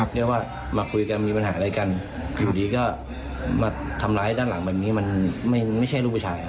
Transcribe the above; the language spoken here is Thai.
เรียกว่ามาคุยกันมีปัญหาอะไรกันอยู่ดีก็มาทำร้ายด้านหลังแบบนี้มันไม่ใช่ลูกผู้ชายครับ